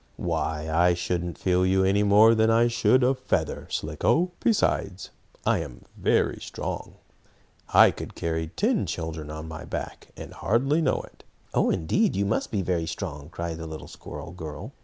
"Why, I shouldn't feel you any more than I should a feather, Slicko. Besides, I am very strong; I could carry ten children on my back, and hardly know it." "Oh, indeed you must be very strong!" cried the little squirrel girl.